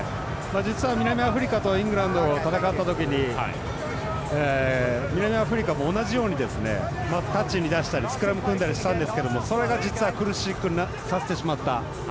実は南アフリカとイングランド戦った時に南アフリカも同じようにタッチに出したりスクラム組んだりしたんですがそれが実は苦しくさせてしまった。